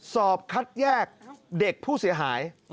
สอบคัดแยกเด็กผู้เสียหาย